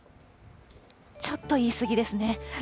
ちょっと言い過ぎですね。